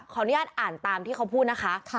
อนุญาตอ่านตามที่เขาพูดนะคะ